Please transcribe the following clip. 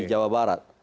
di jawa barat